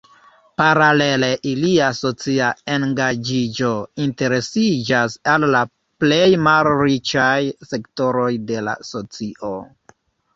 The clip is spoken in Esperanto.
Paralele ilia socia engaĝiĝo interesiĝas al la plej malriĉaj sektoroj de la socio.